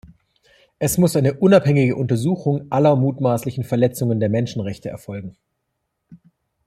Es muss eine unabhängige Untersuchung aller mutmaßlichen Verletzungen der Menschenrechte erfolgen.